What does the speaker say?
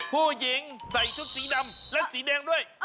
ผู้หญิงใส่ชุดสีดำและสีแดงด้วย